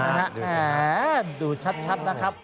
อ่าดูชัดนะครับ